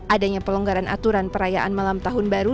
adanya pelonggaran aturan perayaan malam tahun baru